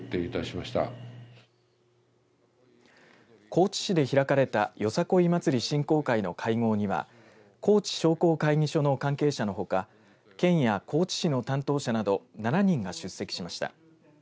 高知市で開かれたよさこい祭振興会の会合には高知商工会議所の関係者のほか県や高知市の担当者など７人が出席しました。